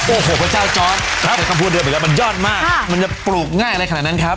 โอ้โหพระเจ้าจอสครับคำพูดเดียวมันยอดมากมันจะปลูกง่ายได้ขนาดนั้นครับ